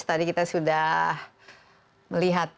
tadi kita lihat ini adalah aplikasi dari insight